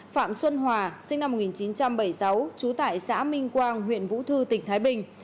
phạm xuân hòa sinh năm một nghìn chín trăm bảy mươi sáu trú tại xã minh quang huyện vũ thư tỉnh thái bình